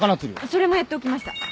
それもやっておきました。